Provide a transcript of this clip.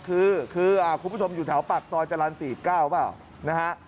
คือคุณผู้ชมอยู่แถวปากซอยจรรย์๔๙เปล่านะฮะ